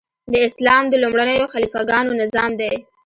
د اسلام د لومړنیو خلیفه ګانو نظام دی.